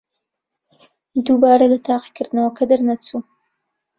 دووبارە لە تاقیکردنەوەکە دەرنەچوو.